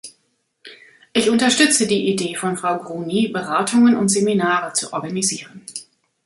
Ich unterstütze die Idee von Frau Gruny, Beratungen und Seminare zu organisieren.